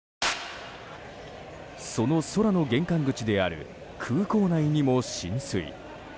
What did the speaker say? その空の玄関口である空港内にも浸水。